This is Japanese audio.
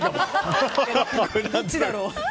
どっちだろう？